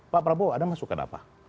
pak prabowo ada masukan apa